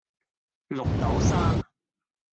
綠豆沙